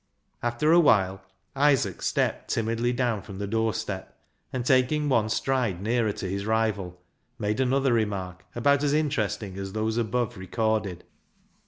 After a while, Isaac stepped timidly down from the doorstep, and taking one stride nearer to his rival, made another remark about as interesting as those above recorded.